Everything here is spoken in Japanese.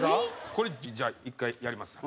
これじゃあ１回やります。